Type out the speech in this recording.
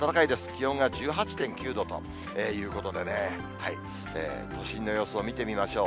気温が１８．９度ということでね、都心の様子を見てみましょう。